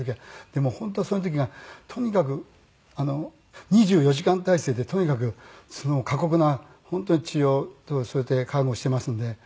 でも本当その時がとにかく２４時間態勢でとにかく過酷な本当に治療とそして看護してますんで。